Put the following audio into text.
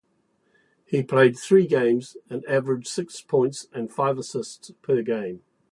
He played three games and averaged six points and five assists per game.